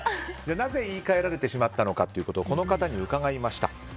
なぜ言い換えられてしまったのかということをこの方に伺いました。